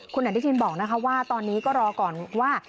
คุณอนุทินบอกนะคะว่าตอนนี้ก็รอก่อนว่า